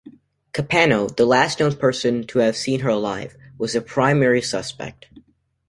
Capano, the last known person to have seen her alive, was the primary suspect.